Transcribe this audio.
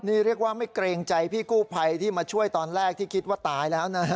นี่เรียกว่าไม่เกรงใจพี่กู้ภัยที่มาช่วยตอนแรกที่คิดว่าตายแล้วนะ